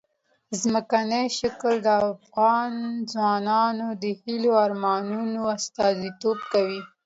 ځمکنی شکل د افغان ځوانانو د هیلو او ارمانونو استازیتوب کوي.